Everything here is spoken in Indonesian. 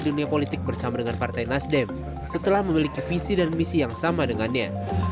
di dunia politik bersama dengan partai nasdem setelah memiliki visi dan misi yang sama dengannya